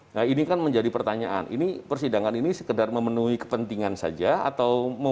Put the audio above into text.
nah ini kan menjadi pertanyaan ini persidangan ini sekedar memenuhi kepentingan saja atau